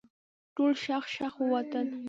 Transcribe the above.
ټول شغ شغ ووتل.